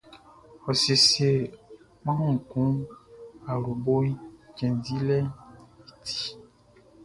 Ɔ siesie kpanwun kun awloboʼn i cɛn dilɛʼn i ti.